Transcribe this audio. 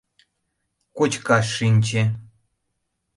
Кочкаш шинче.